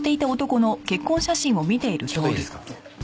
ちょっといいですか？